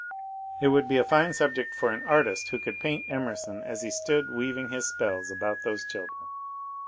It would be a fine sub ject for an artist who could paint Emerson as he stood weav ing his spells about those children.